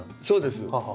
そうです。